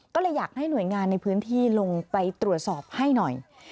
ก็เลยอยากให้หน่วยงานในพื้นที่ลงไปตรวจสอบให้หน่อย